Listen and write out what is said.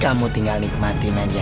kamu tinggal nikmatin aja